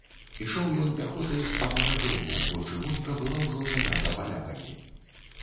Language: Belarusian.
Ішоў ён пяхотай з самага дому, бо чыгунка была ўжо занята палякамі.